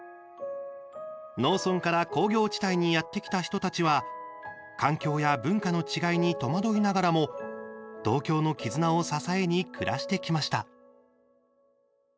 農村から工業地帯にやって来た人たちは環境や文化の違いに戸惑いながらも同郷の絆を支えに暮らしてきました。